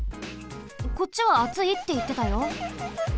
こっちはあついっていってたよ。